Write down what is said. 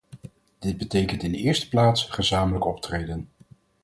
Dit betekent in de eerste plaats gezamenlijk optreden.